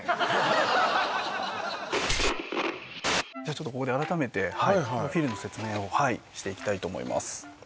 ちょっとここで改めてはいプロフィールの説明をはいしていきたいと思います